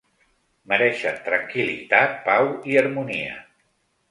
Mereixen tranquil·litat, pau i harmonia.